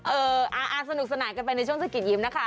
เออสนุกสนานกันไปในช่วงสะกิดยิ้มนะคะ